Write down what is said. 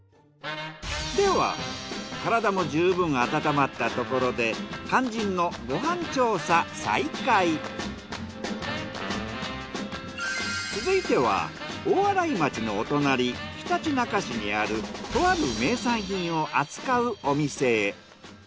では体も十分温まったところで肝心の続いては大洗町のお隣ひたちなか市にあるとある名産品を扱うお店へ。